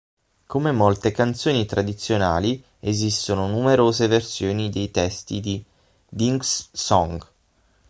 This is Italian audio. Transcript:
Come molte canzoni tradizionali, esistono numerose versioni dei testi di "Dink's Song".